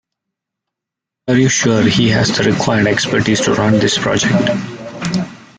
Are you sure he has the required expertise to run this project?